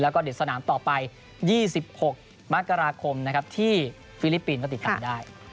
แล้วก็เดี๋ยวสนามต่อไป๒๖มกราคมนะครับที่ฟิลิปปินส์ก็ติดตามได้